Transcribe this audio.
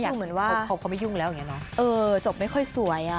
เขาไม่ยุ่งแล้วจบไม่ค่อยสวย